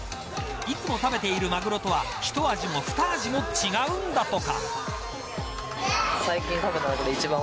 いつも食べているマグロとはひと味もふた味も違うんだとか。